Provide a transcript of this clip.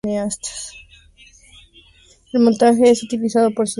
El montaje es el más utilizado por los cineastas en el mundo.